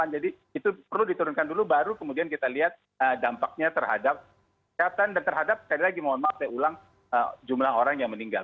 jadi itu perlu diturunkan dulu baru kemudian kita lihat dampaknya terhadap kesehatan dan terhadap sekali lagi mohon maaf saya ulang jumlah orang yang meninggal